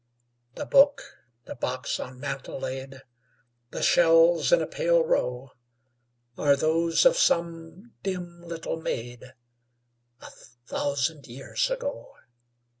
The book, the box on mantel laid, The shells in a pale row, Are those of some dim little maid, A thousand years ago.